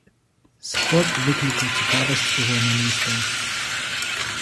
Сход выклікаў цікавасць у журналістаў.